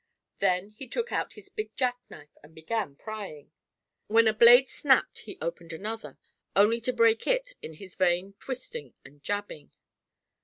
Then he took out his big jackknife and began prying. When a blade snapped he opened another, only to break it in his vain twisting and jabbing.